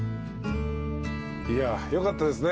いやよかったですね